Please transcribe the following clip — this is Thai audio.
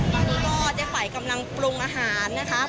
ตอนนี้ก็เจ๊ไฝ่กำลังปรุงอาหารนะคะ